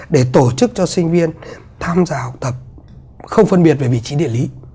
để tổ chức cho sinh viên tham gia học tập không phân biệt về vị trí địa lý